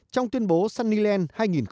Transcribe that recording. trong tuyên bố sunnyland hai nghìn một mươi sáu